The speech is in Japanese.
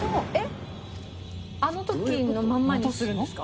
あの時のまんまにするんですか？